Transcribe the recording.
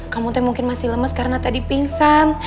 kamu mungkin masih lemes karena tadi pingsan